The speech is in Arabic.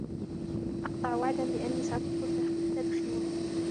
أقطع وعدا بأني سأترك التدخين.